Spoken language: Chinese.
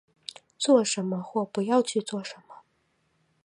做什么或不要去做什么